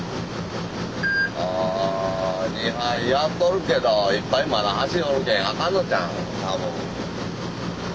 「あ２杯やっとるけど１杯まだ走りよるけあかんのちゃうん？多分」。